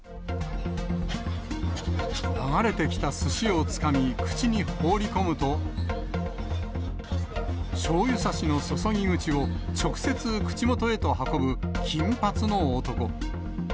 流れてきたすしをつかみ、口に放り込むと、しょうゆさしの注ぎ口を直接口元へと運ぶ金髪の男。